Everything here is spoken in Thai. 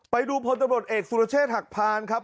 ไปดูพลตำรวจเอกสุรเชษฐหักพานครับ